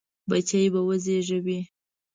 بچي به وزېږوي.